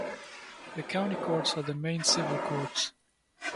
The County Courts are the main civil courts.